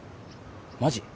マジ？